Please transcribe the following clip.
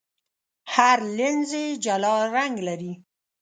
هر لینز یې جلا رنګ لري.